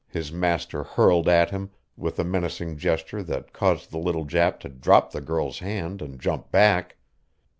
his master hurled at him with a menacing gesture that caused the little Jap to drop the girl's hand and jump back.